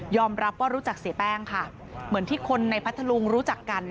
รับว่ารู้จักเสียแป้งค่ะเหมือนที่คนในพัทธลุงรู้จักกัน